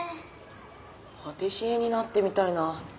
パティシエになってみたいな。